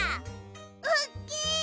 おっきい！